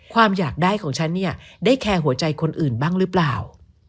ความอยากได้ของฉันเนี่ยได้แคร์หัวใจคนอื่นบ้างหรือเปล่า